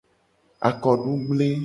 Akodugble.